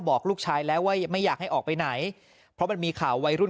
บอกลูกชายแล้วว่าไม่อยากให้ออกไปไหนเพราะมันมีข่าววัยรุ่น